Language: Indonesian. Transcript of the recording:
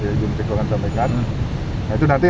ibu menteri kewangan sampaikan nah itu nanti